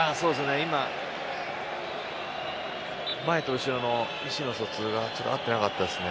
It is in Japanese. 今、前と後ろの意思の疎通が合ってなかったですね。